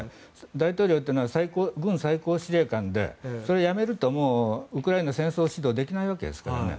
大統領というのは軍最高司令官でそれを辞めるとウクライナ戦争指導ができないわけですからね。